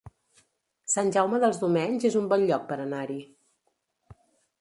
Sant Jaume dels Domenys es un bon lloc per anar-hi